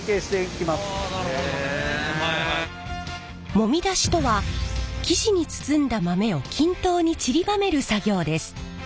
もみ出しとは生地に包んだ豆を均等にちりばめる作業です。